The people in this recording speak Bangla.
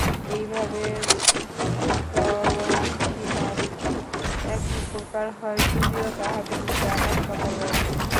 এইভাবে চরমসীমা-দুইটি একই প্রকার হয়, যদিও তাহাদের মধ্যে আকাশ-পাতাল ব্যবধান।